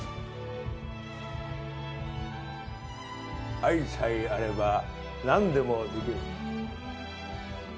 愛さえあればなんでもできる。